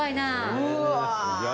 うわ！